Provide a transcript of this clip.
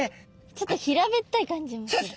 ちょっと平べったい感じもする。